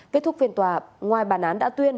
kết thúc phiên tòa ngoài bàn án đã tuyên